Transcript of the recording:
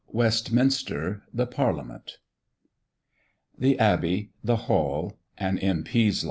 IV. Westminster. The Parliament. THE ABBEY. THE HALL. AN M.P.'